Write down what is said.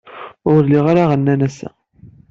Ur liɣ ara aɣanen ass-a.